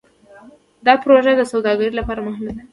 دا پروژه د سوداګرۍ لپاره مهمه ده.